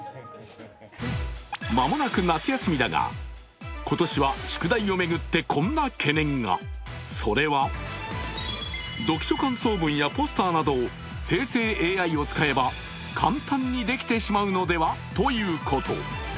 間もなく夏休みだが今年は宿題を巡ってこんな懸念が。それは読書感想文やポスターなど、生成ＡＩを使えば簡単にできてしまうのではということ。